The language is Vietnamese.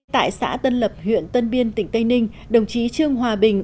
tại xã tân lập huyện tân biên tỉnh tây ninh đồng chí trương hòa bình